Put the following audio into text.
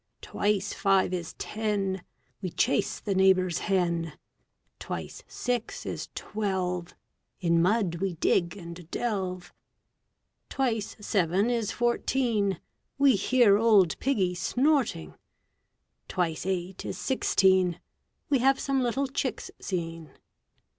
Twice five is ten, We chase the neighbor's hen. Twice six is twelve, In mud we dig and delve. Twice seven is fourteen, We hear old Piggy snorting. Twice eight is sixteen, We have some little chicks seen.